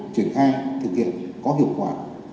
triển khai thực hiện có hiệu quả